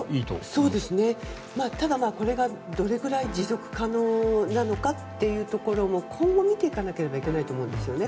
ただ、これがどれくらい持続可能なのかっていうところも今後見ていかなきゃいけないと思うんですね。